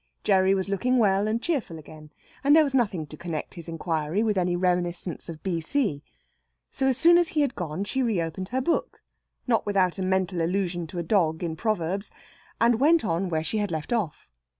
Gerry was looking well and cheerful again, and there was nothing to connect his inquiry with any reminiscence of "B.C." So, as soon as he had gone, she reopened her book not without a mental allusion to a dog in Proverbs and went on where she had left off.